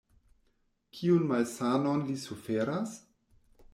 Kiun malsanon li suferas?